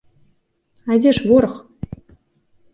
А дзе ж вораг?